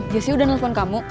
jessi udah nelpon kamu